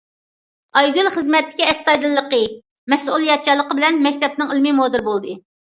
ئايگۈل خىزمەتتىكى ئەستايىدىللىقى، مەسئۇلىيەتچانلىقى بىلەن مەكتەپنىڭ ئىلمىي مۇدىرى بولدى.